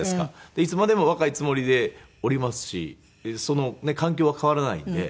いつまでも若いつもりでおりますしその環境は変わらないんで。